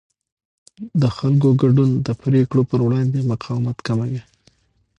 د خلکو ګډون د پرېکړو پر وړاندې مقاومت کموي